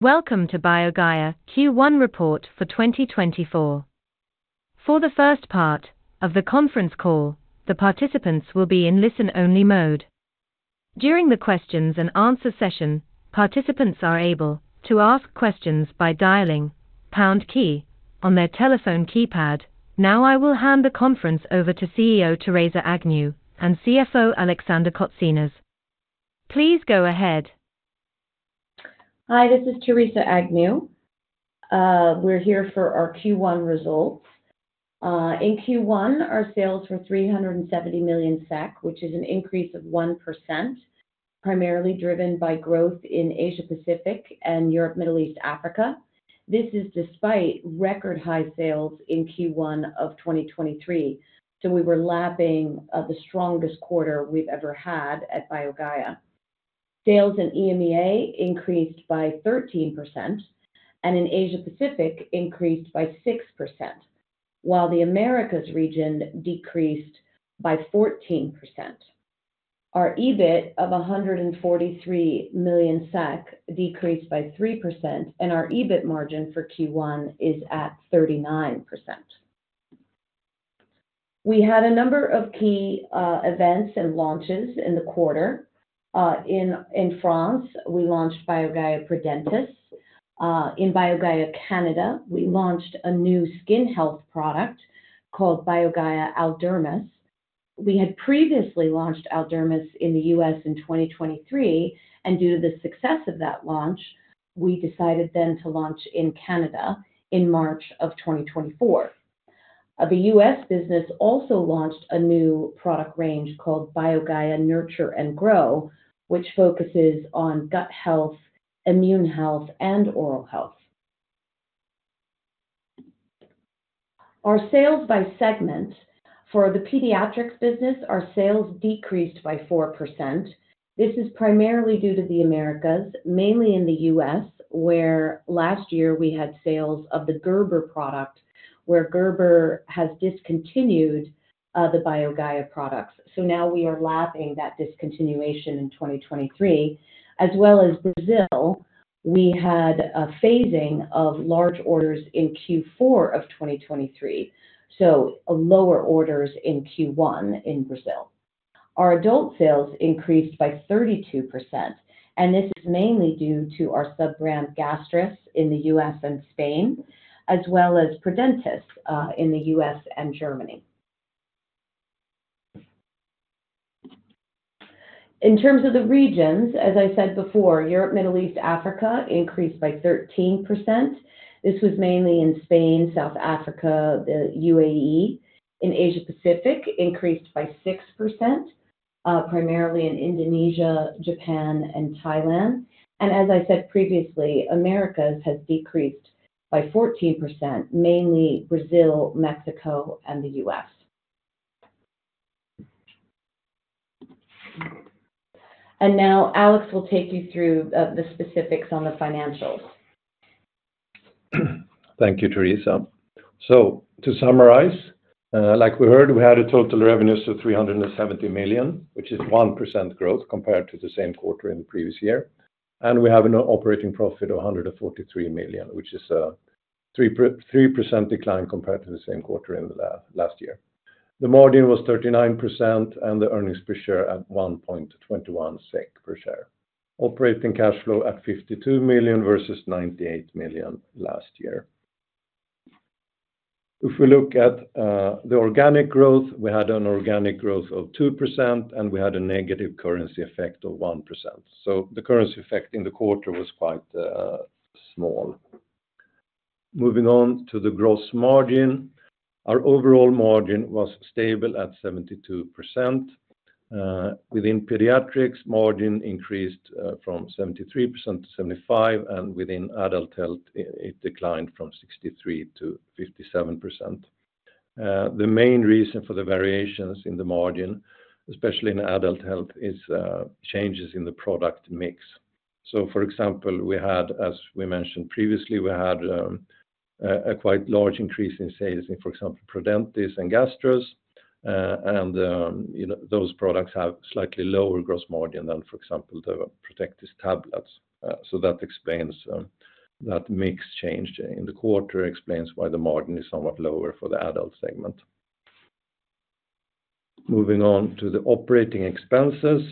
Welcome to BioGaia Q1 report for 2024. For the first part of the conference call, the participants will be in listen-only mode. During the questions and answers session, participants are able to ask questions by dialing pound key on their telephone keypad. Now, I will hand the conference over to CEO Theresa Agnew and CFO Alexander Kotsinas. Please go ahead. Hi, this is Theresa Agnew. We're here for our Q1 results. In Q1, our sales were 370 million SEK, which is an increase of 1%, primarily driven by growth in Asia Pacific and Europe, Middle East, Africa. This is despite record high sales in Q1 of 2023. So we were lapping the strongest quarter we've ever had at BioGaia. Sales in EMEA increased by 13%, and in Asia Pacific increased by 6%, while the Americas region decreased by 14%. Our EBIT of 143 million SEK decreased by 3%, and our EBIT margin for Q1 is at 39%. We had a number of key events and launches in the quarter. In France, we launched BioGaia Prodentis. In Canada, we launched a new skin health product called BioGaia Aldermis. We had previously launched Aldermis in the U.S. in 2023, and due to the success of that launch, we decided then to launch in Canada in March of 2024. The U.S. business also launched a new product range called BioGaia Nurture & Grow, which focuses on gut health, immune health, and oral health. Our sales by segment. For the pediatrics business, our sales decreased by 4%. This is primarily due to the Americas, mainly in the U.S., where last year we had sales of the Gerber product, where Gerber has discontinued the BioGaia products. So now we are lapping that discontinuation in 2023, as well as Brazil, we had a phasing of large orders in Q4 of 2023, so lower orders in Q1 in Brazil. Our adult sales increased by 32%, and this is mainly due to our sub-brand Gastrus in the U.S. and Spain, as well as Prodentis in the U.S. and Germany. In terms of the regions, as I said before, Europe, Middle East, Africa increased by 13%. This was mainly in Spain, South Africa, the UAE. In Asia Pacific, increased by 6%, primarily in Indonesia, Japan, and Thailand. And as I said previously, Americas has decreased by 14%, mainly Brazil, Mexico, and the U.S. And now, Alex will take you through the specifics on the financials. Thank you, Theresa. So to summarize, like we heard, we had total revenues of 370 million, which is 1% growth compared to the same quarter in the previous year. And we have an operating profit of 143 million, which is a 3% decline compared to the same quarter in the last, last year. The margin was 39%, and the earnings per share at 1.21 SEK per share. Operating cash flow at 52 million versus 98 million last year. If we look at the organic growth, we had an organic growth of 2%, and we had a negative currency effect of 1%. So the currency effect in the quarter was quite small. Moving on to the gross margin. Our overall margin was stable at 72%. Within pediatrics, margin increased from 73% to 75%, and within adult health, it declined from 63% to 57%. The main reason for the variations in the margin, especially in adult health, is changes in the product mix. So for example, we had, as we mentioned previously, we had a quite large increase in sales in, for example, Prodentis and Gastrus, and you know, those products have slightly lower gross margin than, for example, the Protectis tablets. So that explains that mix change in the quarter, explains why the margin is somewhat lower for the adult segment. Moving on to the operating expenses.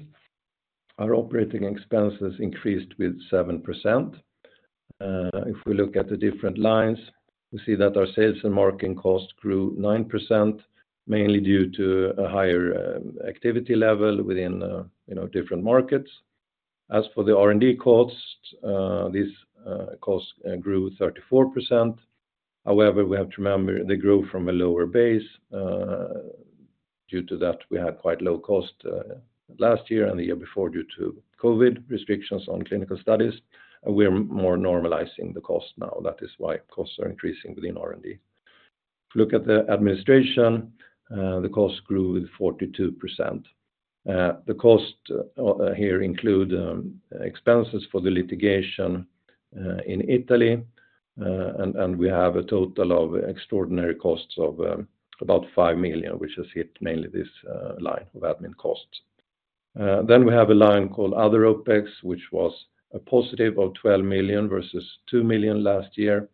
Our operating expenses increased with 7%. If we look at the different lines, we see that our sales and marketing costs grew 9%, mainly due to a higher activity level within, you know, different markets. As for the R&D costs, these costs grew 34%. However, we have to remember they grew from a lower base. Due to that, we had quite low cost last year and the year before, due to COVID restrictions on clinical studies, and we are more normalizing the cost now. That is why costs are increasing within R&D. If you look at the administration, the cost grew 42%. The cost here include expenses for the litigation in Italy, and we have a total of extraordinary costs of about 5 million, which has hit mainly this line of admin costs. Then we have a line called other OpEx, which was a positive of 12 million versus 2 million last year.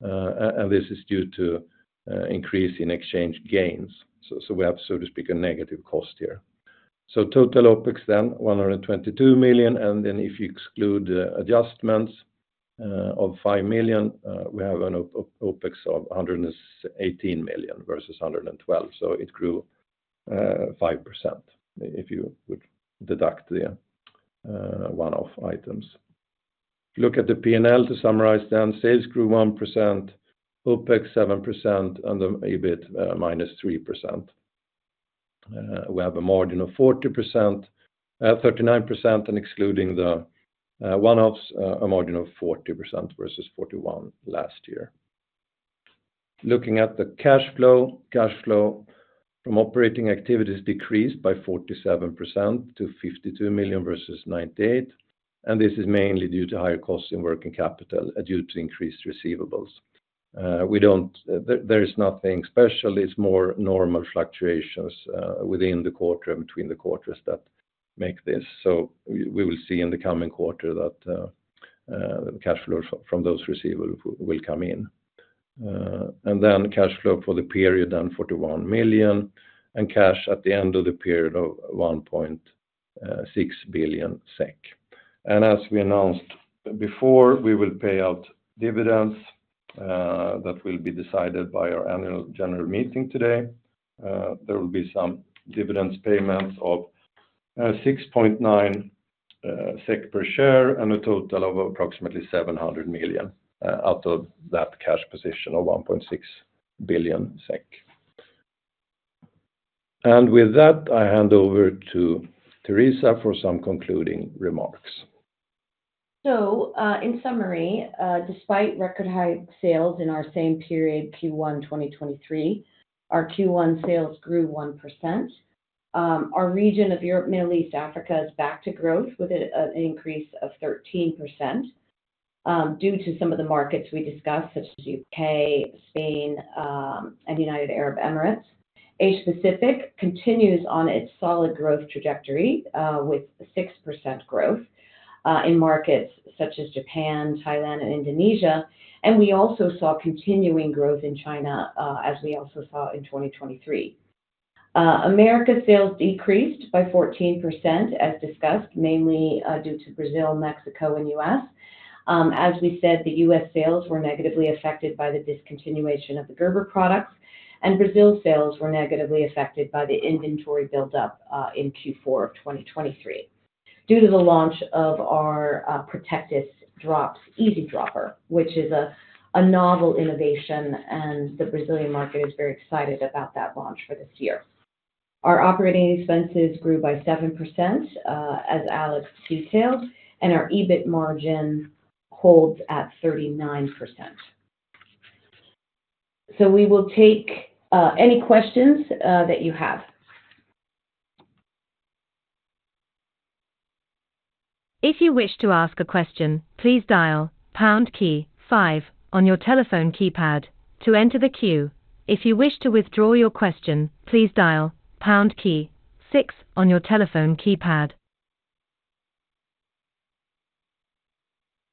And this is due to increase in exchange gains. So we have, so to speak, a negative cost here. So total OpEx then, 122 million, and then if you exclude the adjustments of 5 million, we have an OpEx of 118 million versus 112. So it grew 5%, if you would deduct the one-off items. Look at the P&L to summarize down, sales grew 1%, OpEx 7%, and the EBIT minus 3%. We have a margin of 40%, 39%, and excluding the one-offs, a margin of 40% versus 41% last year. Looking at the cash flow, cash flow from operating activities decreased by 47% to 52 million versus 98, and this is mainly due to higher costs in working capital due to increased receivables. We don't, there is nothing special, it's more normal fluctuations within the quarter and between the quarters that make this. So we will see in the coming quarter that the cash flows from those receivables will come in. And then cash flow for the period, then 41 million, and cash at the end of the period of 1.6 billion SEK. And as we announced before, we will pay out dividends that will be decided by our annual general meeting today. There will be some dividends payments of 6.9 SEK per share, and a total of approximately 700 million out of that cash position of 1.6 billion SEK. And with that, I hand over to Theresa for some concluding remarks. So, in summary, despite record high sales in our same period, Q1 2023, our Q1 sales grew 1%. Our region of Europe, Middle East, Africa, is back to growth with an increase of 13%, due to some of the markets we discussed, such as U.K., Spain, and United Arab Emirates. Asia Pacific continues on its solid growth trajectory, with 6% growth, in markets such as Japan, Thailand, and Indonesia. And we also saw continuing growth in China, as we also saw in 2023. Americas sales decreased by 14%, as discussed, mainly due to Brazil, Mexico, and U.S. As we said, the U.S. sales were negatively affected by the discontinuation of the Gerber products, and Brazil sales were negatively affected by the inventory buildup, in Q4 of 2023. Due to the launch of our Protectis Drops EasyDropper, which is a novel innovation, and the Brazilian market is very excited about that launch for this year. Our operating expenses grew by 7%, as Alex detailed, and our EBIT margin holds at 39%. So we will take any questions that you have. If you wish to ask a question, please dial pound key five on your telephone keypad to enter the queue. If you wish to withdraw your question, please dial pound key six on your telephone keypad.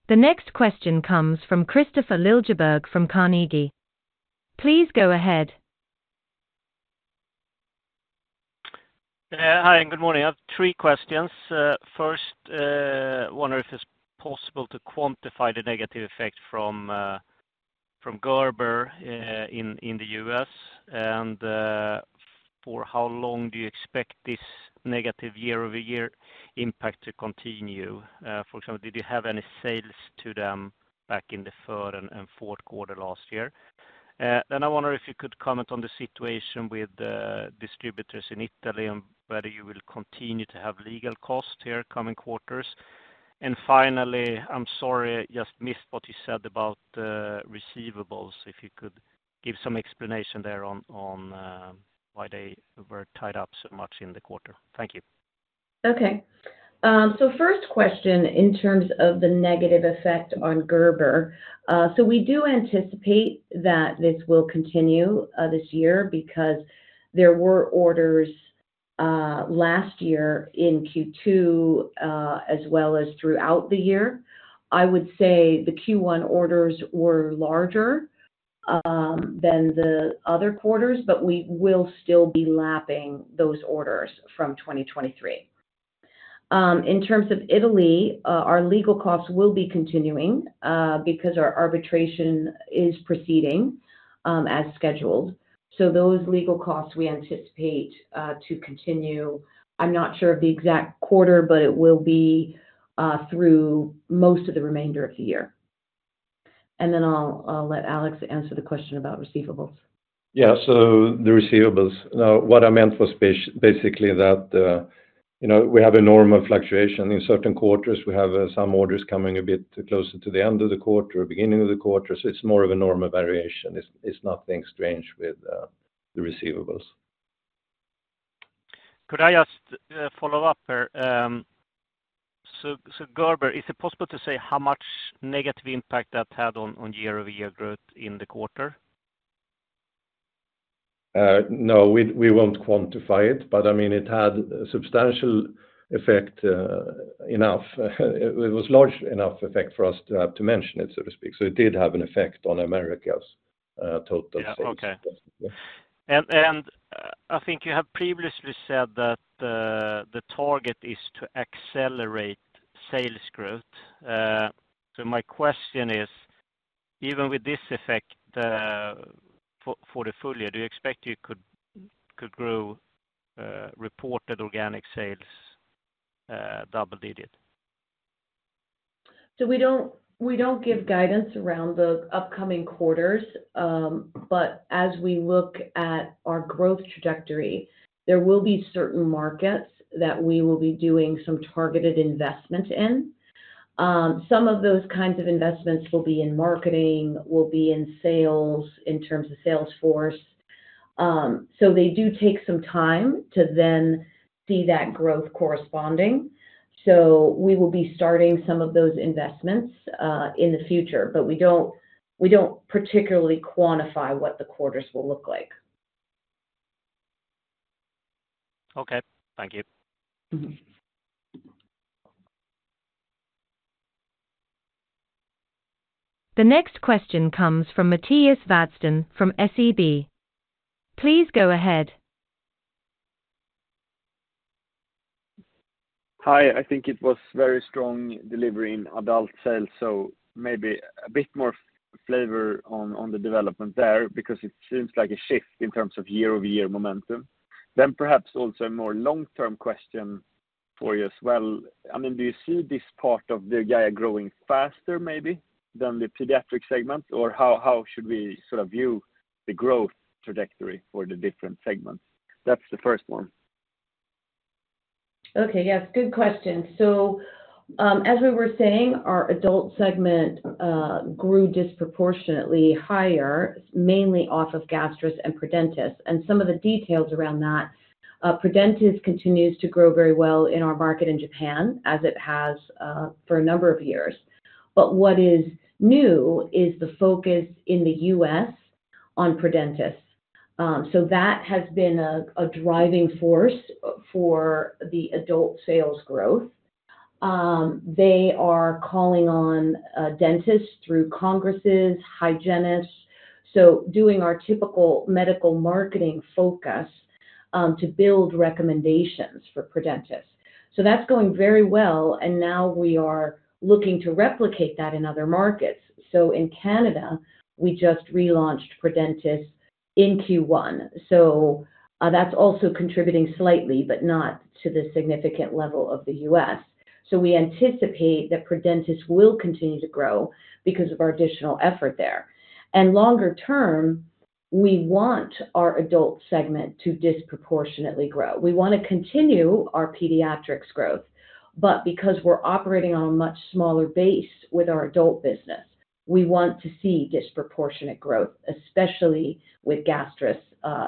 The next question comes from Kristofer Liljeberg from Carnegie. Please go ahead. Hi, and good morning. I have three questions. First, I wonder if it's possible to quantify the negative effect from Gerber in the US, and for how long do you expect this negative year-over-year impact to continue? For example, did you have any sales to them back in the third and fourth quarter last year? Then I wonder if you could comment on the situation with the distributors in Italy, and whether you will continue to have legal costs in the coming quarters? And finally, I'm sorry, I just missed what you said about the receivables. If you could give some explanation there on why they were tied up so much in the quarter. Thank you. Okay. So first question in terms of the negative effect on Gerber. So we do anticipate that this will continue, this year, because there were orders, last year in Q2, as well as throughout the year. I would say the Q1 orders were larger, than the other quarters, but we will still be lapping those orders from 2023. In terms of Italy, our legal costs will be continuing, because our arbitration is proceeding, as scheduled. So those legal costs we anticipate, to continue. I'm not sure of the exact quarter, but it will be, through most of the remainder of the year. And then I'll let Alex answer the question about receivables. Yeah, so the receivables. Now, what I meant was basically, that, you know, we have a normal fluctuation. In certain quarters, we have some orders coming a bit closer to the end of the quarter or beginning of the quarter. So it's more of a normal variation. It's, it's nothing strange with the receivables. Could I just follow up here? So, Gerber, is it possible to say how much negative impact that had on year-over-year growth in the quarter? ... No, we won't quantify it, but I mean, it had a substantial effect, enough. It was large enough effect for us to have to mention it, so to speak. So it did have an effect on Americas', total sales. Yeah. Okay. I think you have previously said that the target is to accelerate sales growth. So my question is, even with this effect, for the full year, do you expect you could grow reported organic sales double digit? So we don't, we don't give guidance around the upcoming quarters. But as we look at our growth trajectory, there will be certain markets that we will be doing some targeted investment in. Some of those kinds of investments will be in marketing, will be in sales, in terms of sales force. So they do take some time to then see that growth corresponding. So we will be starting some of those investments in the future, but we don't, we don't particularly quantify what the quarters will look like. Okay, thank you. Mm-hmm. The next question comes from Mattias Vadsten from SEB. Please go ahead. Hi. I think it was very strong delivery in adult sales, so maybe a bit more flavor on the development there, because it seems like a shift in terms of year-over-year momentum. Then perhaps also a more long-term question for you as well. I mean, do you see this part of the BioGaia growing faster, maybe, than the pediatric segment? Or how should we sort of view the growth trajectory for the different segments? That's the first one. Okay. Yes, good question. So, as we were saying, our adult segment grew disproportionately higher, mainly off of Gastrus and Prodentis, and some of the details around that. Prodentis continues to grow very well in our market in Japan, as it has for a number of years. But what is new is the focus in the US on Prodentis. So that has been a driving force for the adult sales growth. They are calling on dentists through congresses, hygienists, so doing our typical medical marketing focus to build recommendations for Prodentis. So that's going very well, and now we are looking to replicate that in other markets. So in Canada, we just relaunched Prodentis in Q1. That's also contributing slightly, but not to the significant level of the US. So we anticipate that Prodentis will continue to grow because of our additional effort there. Longer term, we want our adult segment to disproportionately grow. We wanna continue our pediatrics growth, but because we're operating on a much smaller base with our adult business, we want to see disproportionate growth, especially with Gastrus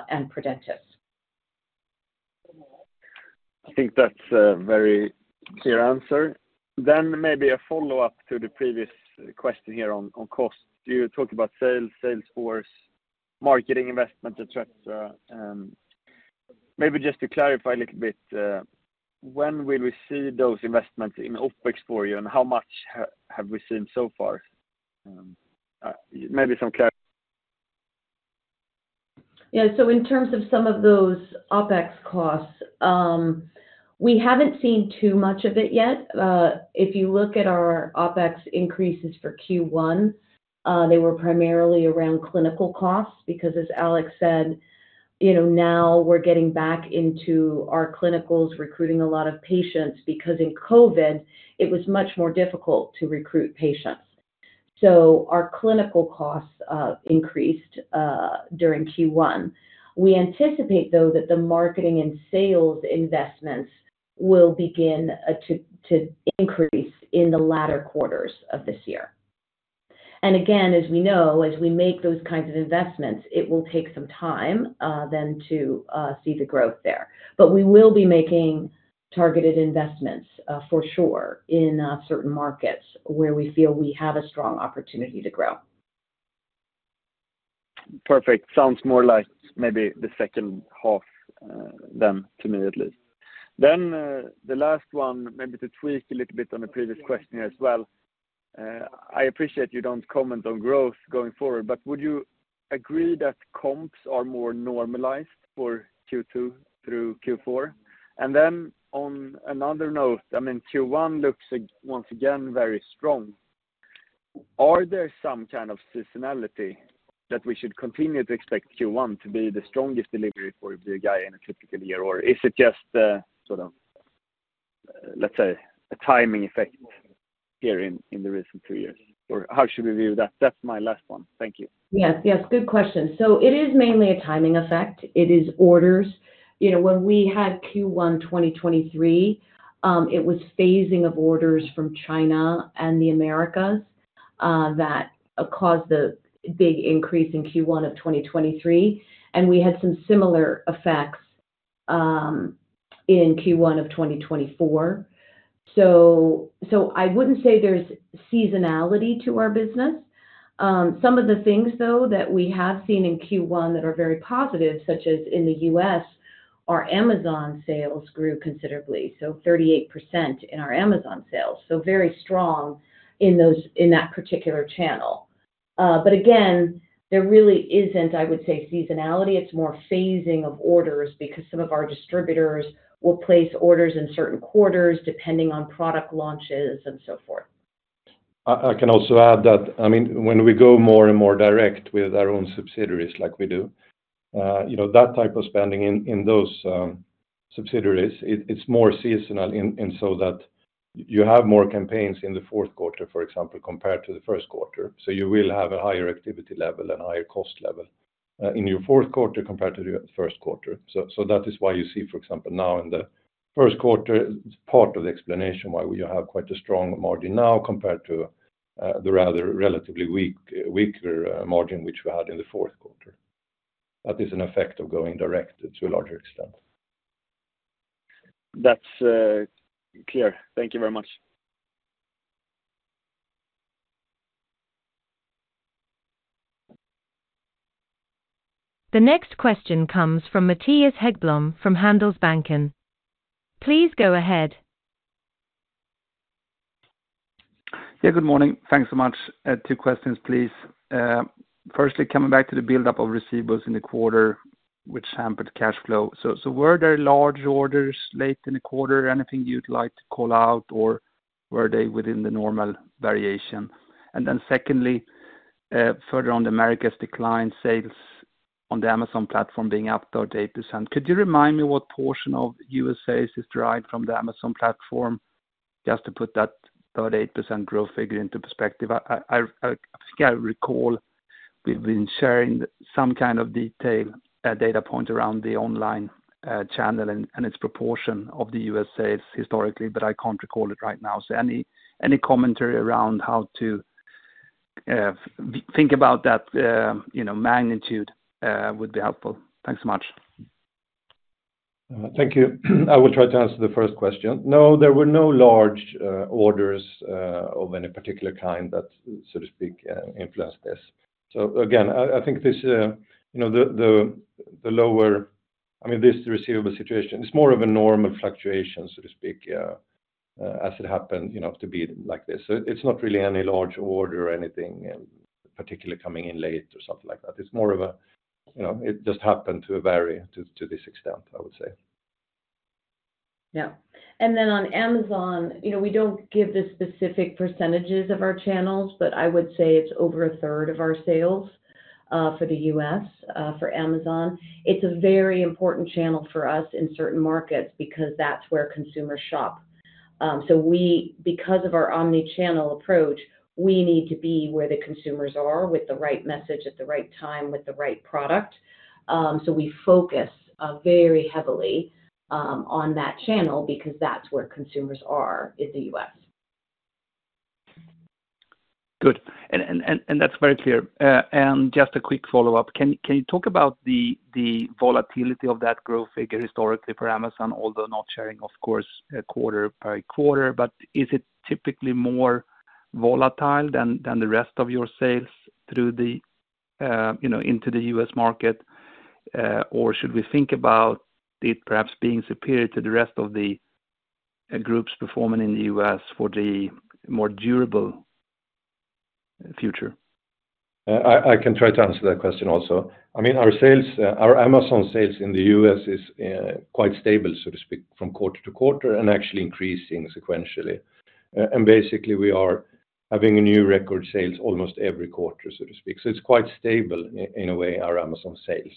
and Prodentis. I think that's a very clear answer. Then maybe a follow-up to the previous question here on cost. You talked about sales, sales force, marketing investment, et cetera, and maybe just to clarify a little bit, when will we see those investments in OpEx for you, and how much have we seen so far? Maybe some clarity. Yeah, so in terms of some of those OpEx costs, we haven't seen too much of it yet. If you look at our OpEx increases for Q1, they were primarily around clinical costs, because as Alex said, you know, now we're getting back into our clinicals, recruiting a lot of patients, because in COVID, it was much more difficult to recruit patients. So our clinical costs increased during Q1. We anticipate, though, that the marketing and sales investments will begin to increase in the latter quarters of this year. And again, as we know, as we make those kinds of investments, it will take some time then to see the growth there. But we will be making targeted investments for sure in certain markets where we feel we have a strong opportunity to grow. Perfect. Sounds more like maybe the second half, then, to me at least. Then, the last one, maybe to tweak a little bit on the previous question as well. I appreciate you don't comment on growth going forward, but would you agree that comps are more normalized for Q2 through Q4? And then on another note, I mean, Q1 looks like, once again, very strong. Are there some kind of seasonality that we should continue to expect Q1 to be the strongest delivery for BioGaia in a typical year? Or is it just, sort of, let's say, a timing effect here in, in the recent two years? Or how should we view that? That's my last one. Thank you. Yes, yes, good question. So it is mainly a timing effect. It is orders. You know, when we had Q1 2023, it was phasing of orders from China and the Americas, that caused the big increase in Q1 of 2023, and we had some similar effects in Q1 of 2024. So, so I wouldn't say there's seasonality to our business. Some of the things, though, that we have seen in Q1 that are very positive, such as in the U.S., our Amazon sales grew considerably, so 38% in our Amazon sales. So very strong in those, in that particular channel. But again, there really isn't, I would say, seasonality. It's more phasing of orders because some of our distributors will place orders in certain quarters, depending on product launches and so forth. I can also add that, I mean, when we go more and more direct with our own subsidiaries like we do, you know, that type of spending in those subsidiaries, it's more seasonal in so that you have more campaigns in the fourth quarter, for example, compared to the first quarter. So you will have a higher activity level and higher cost level in your fourth quarter compared to your first quarter. So that is why you see, for example, now in the first quarter, it's part of the explanation why we have quite a strong margin now compared to the rather relatively weak, weaker margin which we had in the fourth quarter. That is an effect of going direct to a larger extent. That's clear. Thank you very much. The next question comes from Mattias Häggblom, from Handelsbanken. Please go ahead. Yeah, good morning. Thanks so much. Two questions, please. Firstly, coming back to the buildup of receivables in the quarter, which hampered cash flow. So were there large orders late in the quarter? Anything you'd like to call out, or were they within the normal variation? And then secondly, further on the Americas decline sales on the Amazon platform being up 38%. Could you remind me what portion of USA is derived from the Amazon platform? Just to put that 38% growth figure into perspective. I think I recall we've been sharing some kind of detail data point around the online channel and its proportion of the USA historically, but I can't recall it right now. So any commentary around how to think about that, you know, magnitude would be helpful. Thanks so much. Thank you. I will try to answer the first question. No, there were no large orders of any particular kind that, so to speak, influenced this. So again, I think this, you know, the lower—I mean, this receivable situation, it's more of a normal fluctuation, so to speak, as it happened, you know, to be like this. So it's not really any large order or anything, particularly coming in late or something like that. It's more of a, you know, it just happened to vary to this extent, I would say. Yeah. And then on Amazon, you know, we don't give the specific percentages of our channels, but I would say it's over a third of our sales for the US for Amazon. It's a very important channel for us in certain markets because that's where consumers shop. So because of our omni-channel approach, we need to be where the consumers are, with the right message, at the right time, with the right product. So we focus very heavily on that channel because that's where consumers are in the US. Good. And that's very clear. And just a quick follow-up. Can you talk about the volatility of that growth figure historically for Amazon, although not sharing, of course, quarter by quarter, but is it typically more volatile than the rest of your sales through the, you know, into the US market, or should we think about it perhaps being superior to the rest of the group's performance in the US for the more durable future? I can try to answer that question also. I mean, our sales, our Amazon sales in the U.S. is quite stable, so to speak, from quarter to quarter, and actually increasing sequentially. And basically, we are having new record sales almost every quarter, so to speak. So it's quite stable in a way, our Amazon sales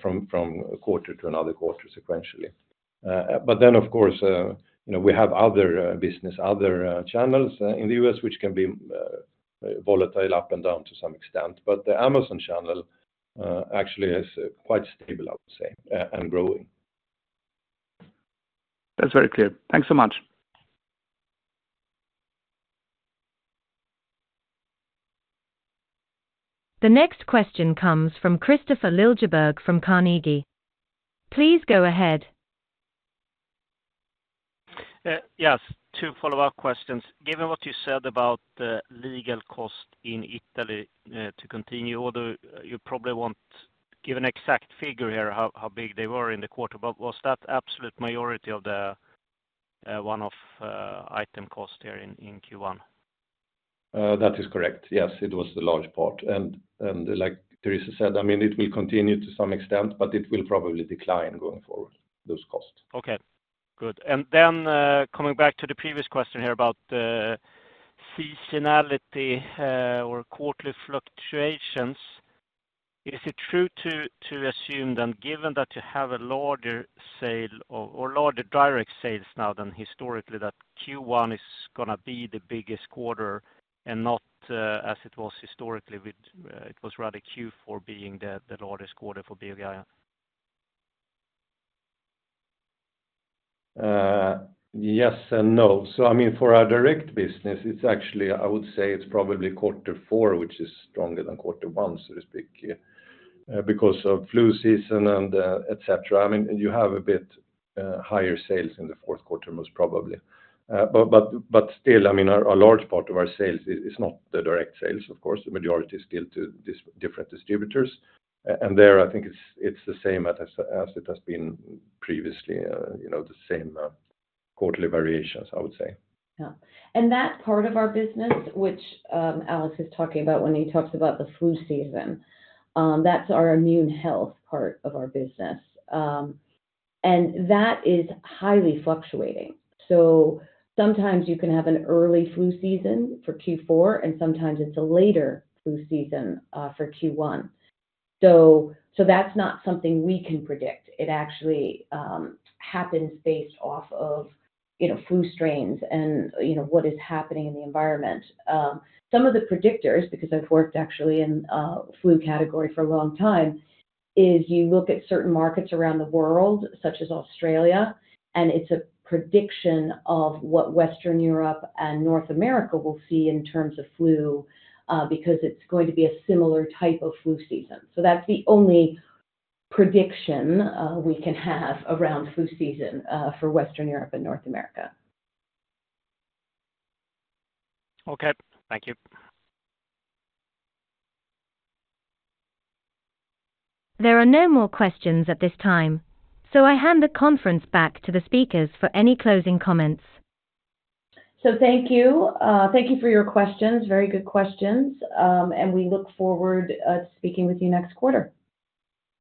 from a quarter to another quarter sequentially. But then, of course, you know, we have other business, other channels in the U.S., which can be volatile up and down to some extent, but the Amazon channel actually is quite stable, I would say, and growing. That's very clear. Thanks so much. The next question comes from Kristofer Liljeberg, from Carnegie. Please go ahead. Yes, two follow-up questions. Given what you said about the legal cost in Italy, to continue, although you probably won't give an exact figure here, how big they were in the quarter, but was that absolute majority of the one-off item cost here in Q1? That is correct. Yes, it was the large part. And, like Theresa said, I mean, it will continue to some extent, but it will probably decline going forward, those costs. Okay, good. And then, coming back to the previous question here about the seasonality, or quarterly fluctuations. Is it true to, to assume then, given that you have a larger sale or, or larger direct sales now than historically, that Q1 is gonna be the biggest quarter and not, as it was historically, with, it was rather Q4 being the, the largest quarter for BioGaia? Yes and no. So I mean, for our direct business, it's actually... I would say it's probably quarter four, which is stronger than quarter one, so to speak, because of flu season and et cetera. I mean, you have a bit higher sales in the fourth quarter, most probably. But still, I mean, a large part of our sales is not the direct sales, of course, the majority is still to different distributors. And there, I think it's the same as it has been previously, you know, the same quarterly variations, I would say. Yeah. And that part of our business, which, Alex is talking about when he talks about the flu season, that's our immune health part of our business, and that is highly fluctuating. So sometimes you can have an early flu season for Q4, and sometimes it's a later flu season for Q1. So that's not something we can predict. It actually happens based off of, you know, flu strains and, you know, what is happening in the environment. Some of the predictors, because I've worked actually in flu category for a long time, is you look at certain markets around the world, such as Australia, and it's a prediction of what Western Europe and North America will see in terms of flu, because it's going to be a similar type of flu season. That's the only prediction we can have around flu season for Western Europe and North America. Okay. Thank you. There are no more questions at this time, so I hand the conference back to the speakers for any closing comments. So thank you. Thank you for your questions, very good questions, and we look forward to speaking with you next quarter.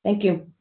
Thank you.